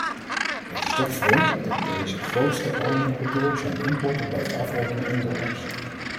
Het is toch vreemd dat deze grootste olie-importeur zijn importen blijft afrekenen in dollars.